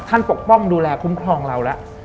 ท่านปกป้องดูแลคุ้มครองเราละ